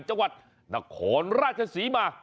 จังหวัดนครราชศรีมา